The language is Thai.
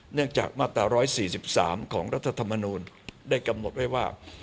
เนื่องจากมาตรา๑๔๓ของรัฐธรรมนูลได้กำหนดไว้ว่า